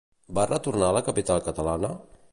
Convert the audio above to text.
Va retornar a la capital catalana?